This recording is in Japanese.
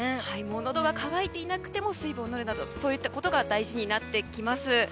のどが渇いていなくても水分をとるなどそういったことが大事になってきます。